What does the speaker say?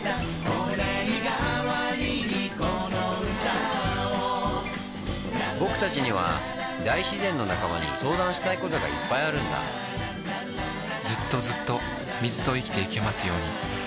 御礼がわりにこの歌をぼくたちには大自然の仲間に相談したいことがいっぱいあるんだずっとずっと水と生きてゆけますようにサントリー